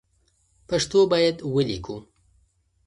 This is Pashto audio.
پښتو باید ولیکو